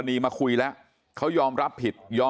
มันต้องการมาหาเรื่องมันจะมาแทงนะ